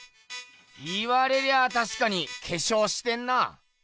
言われりゃあたしかに化粧してんなあ。